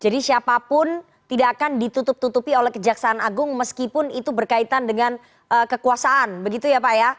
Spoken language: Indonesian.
jadi siapapun tidak akan ditutup tutupi oleh kejaksana agung meskipun itu berkaitan dengan kekuasaan begitu ya pak ya